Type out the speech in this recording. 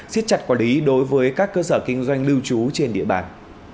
xiết chặt quản lý đối với các cơ sở kinh doanh lưu trú trên địa bàn